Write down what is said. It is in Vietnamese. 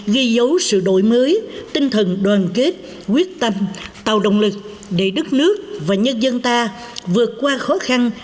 ghi dấu sự đổi mới tinh thần đoàn kết quyết tâm tạo động lực để đất nước và nhân dân ta vượt qua khó khăn